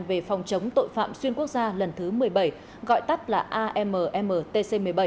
về phòng chống tội phạm xuyên quốc gia lần thứ một mươi bảy gọi tắt là ammtc một mươi bảy